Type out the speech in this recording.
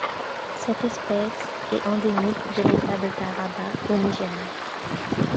Cette espèce est endémique de l'État de Taraba au Nigeria.